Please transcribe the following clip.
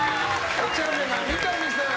おちゃめな三上さん。